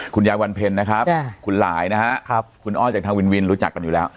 วันเพ็ญนะครับคุณหลายนะฮะคุณอ้อยจากทางวินวินรู้จักกันอยู่แล้ว